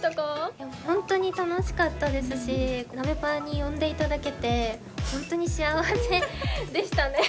本当に楽しかったですしなべパに呼んでいただけて本当に幸せでしたね。